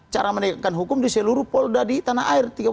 cara menegakkan hukum di seluruh polda di tanah air